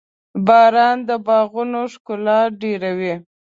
• باران د باغونو ښکلا ډېروي.